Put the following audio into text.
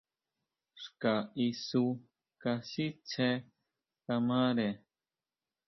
Xka isú kasitsé kamare.